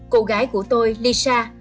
cô gái của tôi lisa